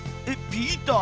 「ピーター」？